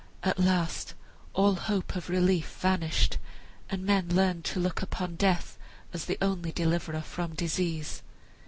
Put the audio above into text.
At last all hope of relief vanished, and men learned to look upon death as the only deliverer from disease.